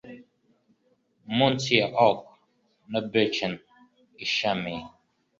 Munsi ya oak na beechen ishami